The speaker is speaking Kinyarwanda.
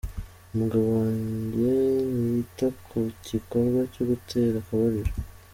Umugabo wanjye ntiyita ku gikorwa cyo gutera akabariro.